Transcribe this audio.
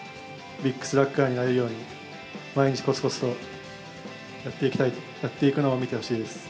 ビッグスラッガーになれるように、毎日こつこつとやっていきたいと、やっていくのを見てほしいです。